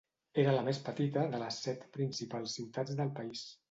Era la més petita de les set principals ciutats del país.